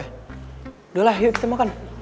yaudah yuk kita makan